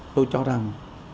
tôi cho rằng